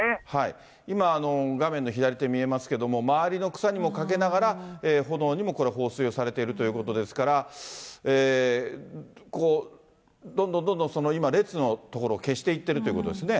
今、画面の左手、見えますけれども、周りの草にもかけながら、炎にもこれ、放水をされているということですから、どんどんどんどん今、列の所を消していってるっていうことですね。